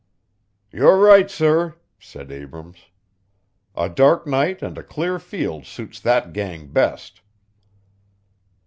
"You're right, sir," said Abrams. "A dark night and a clear field suits that gang best."